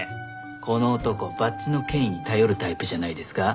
この男バッジの権威に頼るタイプじゃないですか？